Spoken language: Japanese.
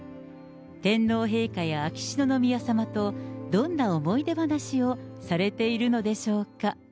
天皇陛下や秋篠宮さまとどんな思い出話をされているのでしょうか。